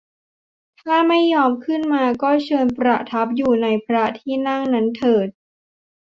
ถ้าไม่ยอมขึ้นมาก็เชิญประทับอยู่ในพระที่นั่งนั้นเถิด